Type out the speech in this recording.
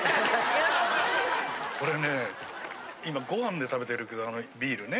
これねえ今ご飯で食べてるけどビールね。